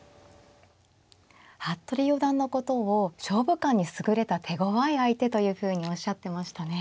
服部四段のことを勝負勘に優れた手ごわい相手というふうにおっしゃってましたね。